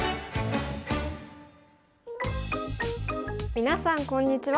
皆さんこんにちは。